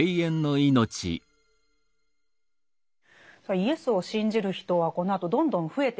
イエスを信じる人はこのあとどんどん増えていくんですね。